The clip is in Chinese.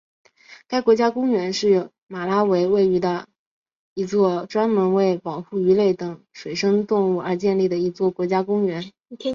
该国家公园是马拉维位于的一座专门为保护鱼类等水生动物而建立的一座国家公园。